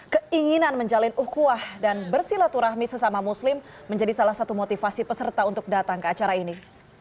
keinginan menjalin uhkuah dan bersilaturahmi sesama muslim menjadi salah satu motivasi peserta untuk datang ke acara ini